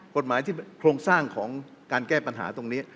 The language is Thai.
กฎหมายที่โครงสร้างของการแก้ปัญหาตรงนี้